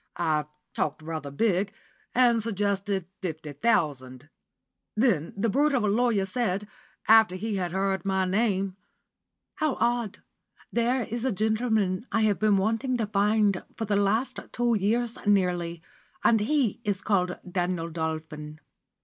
I talked rather big, and suggested fifty thousand. Then the brute of a lawyer said, after he had heard my name, 'How odd. Now there is a gentleman I have been wanting to find for the last two years nearly, and he is called Daniel Dolphin!